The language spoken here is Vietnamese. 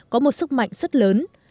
có một sức mạnh rất lớn